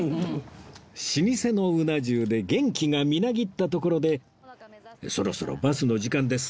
老舗のうな重で元気がみなぎったところでそろそろバスの時間です。